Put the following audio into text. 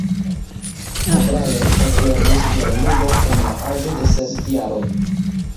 O’Brien eklernis pianludon en la aĝo de ses jaroj.